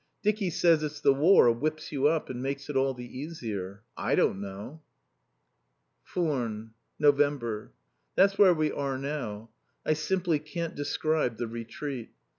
Dicky says it's the War whips you up and makes it all the easier. I don't know.... FURNES. November. That's where we are now. I simply can't describe the retreat.